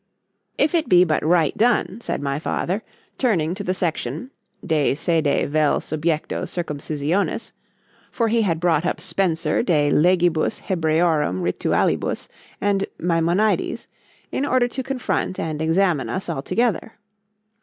——If it be but right done,—said my father, turning to the Section—de sede vel subjecto circumcisionis,—for he had brought up Spenser de Legibus Hebræorum Ritualibus—and Maimonides, in order to confront and examine us altogether.